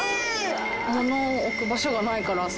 物置く場所がないからさ。